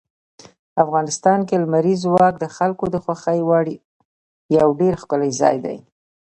افغانستان کې لمریز ځواک د خلکو د خوښې وړ یو ډېر ښکلی ځای دی.